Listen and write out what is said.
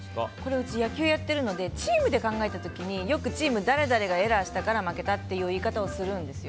うち野球をやっているのでチームで考えた時にチームで誰々がエラーをしたから負けたっていう言い方をするんですよ。